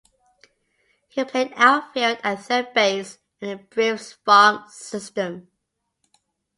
He played outfield and third base in the Braves' farm system.